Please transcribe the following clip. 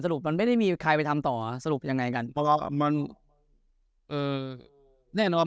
รุปมันไม่ได้มีใครไปทำต่อสรุปยังไงกันเพราะว่ามันเอ่อแน่นอน